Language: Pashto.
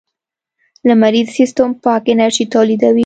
لمریز سیستم پاک انرژي تولیدوي.